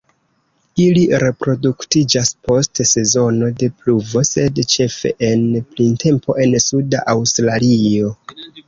Ili reproduktiĝas post sezono de pluvo sed ĉefe en printempo en Suda Aŭstralio.